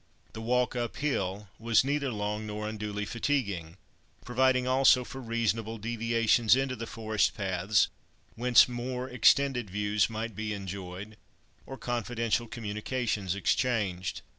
The walk up hill was neither long nor unduly fatiguing; providing also for reasonable deviations into the forest paths, whence more extended views might be enjoyed, or confidential communications exchanged.